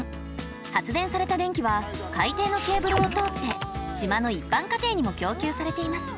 発電された電気は海底のケーブルを通って島の一般家庭にも供給されています。